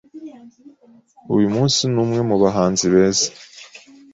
Uyu munsi ni umwe mu bahanzi beza